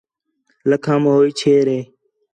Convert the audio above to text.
لَکھام ہوئی چھیر ہِے